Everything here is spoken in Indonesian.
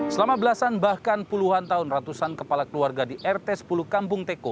selama belasan bahkan puluhan tahun ratusan kepala keluarga di rt sepuluh kampung teko